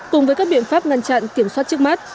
cùng với các biện pháp ngăn chặn kiểm soát trước mắt